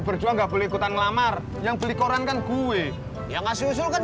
berjuang nggak boleh ikutan ngelamar yang beli koran kan gue yang kasih usul kan